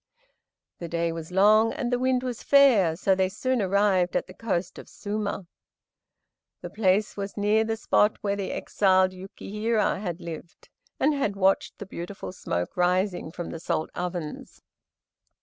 The day was long and the wind was fair, so they soon arrived at the coast of Suma. The place was near the spot where the exiled Yukihira had lived, and had watched the beautiful smoke rising from the salt ovens.